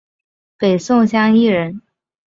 北宋襄邑人。